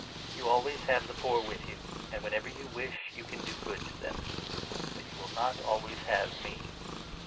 You always have the poor with you, 7 and whenever you wish you can do good to them ; but you will not always have me.